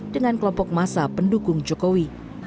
dengan kelompok masa pendukung jokowi